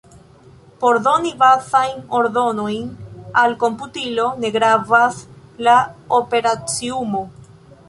Por doni bazajn ordonojn al komputilo, ne gravas la operaciumo.